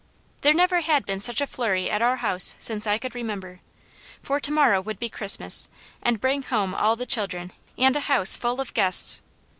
There never had been such a flurry at our house since I could remember; for to morrow would be Christmas and bring home all the children, and a house full of guests.